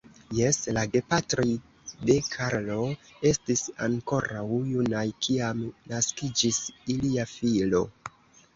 Jes, la gepatroj de Karlo, estis ankoraŭ junaj, kiam naskiĝis ilia filo.